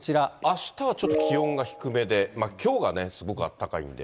あしたはちょっと気温が低めで、きょうがね、すごくあったかいんで。